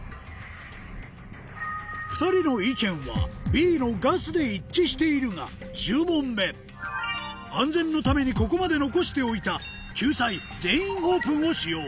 ２人の意見はＢのガスで一致しているが１０問目安全のためにここまで残しておいた救済「全員オープン」を使用